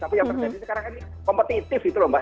tapi yang terjadi sekarang ini kompetitif gitu loh mbak